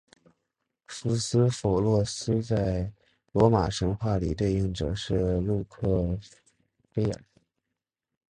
福斯否洛斯在罗马神话里的对应者是路喀斐耳。